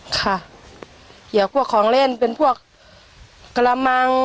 ค่ะเกี่ยวพวกของเล่นเป็นพวกกระมัง